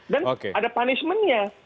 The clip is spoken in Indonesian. dan ada punishmentnya